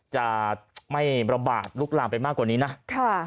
จะไม่ระบาดลุกลามไปมากกว่านี้นะค่ะ